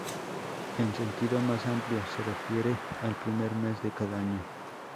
En sentido más amplio, se refiere al primer mes de cada año.